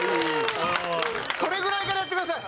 これぐらいからやってください。